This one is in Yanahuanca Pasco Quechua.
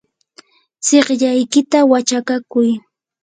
tsiqllaykita wachakakuy.